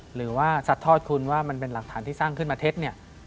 หรือว่าสัดทอดคุณว่ามันเป็นหลักฐานที่สร้างขึ้นมาเท็จเนี่ย